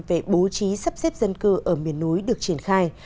về bố trí sắp xếp dân cư ở miền núi được triển khai